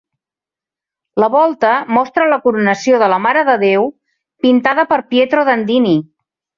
La volta mostra la "Coronació de la Mare de Déu" pintada per Pietro Dandini.